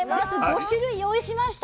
５種類用意しました。